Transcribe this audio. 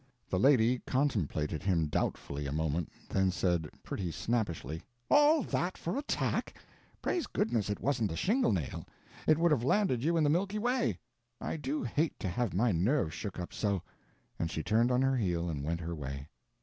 The lady contemplated him doubtfully a moment, then said, pretty snappishly: "All that for a tack! Praise goodness it wasn't a shingle nail, it would have landed you in the Milky Way. I do hate to have my nerves shook up so." And she turned on her heel and went her way.